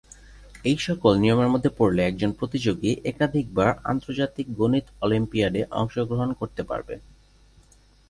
এই সকল নিয়মের মধ্যে পড়লে একজন প্রতিযোগী একাধিকবার আন্তর্জাতিক গণিত অলিম্পিয়াডে অংশগ্রহণ করতে পারবে।